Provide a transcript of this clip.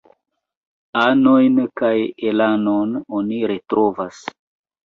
Anojn kaj elanon oni retrovas.